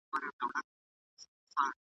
زړه مي تور له منبرونو د ریا له خلوتونو ,